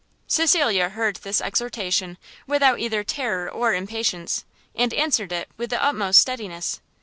Cecilia heard this exhortation without either terror or impatience, and answered it with the utmost steadiness.